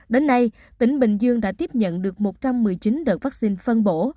đến nay tỉnh bình dương đã tiếp nhận được một trăm một mươi chín đợt phát sinh phân bổ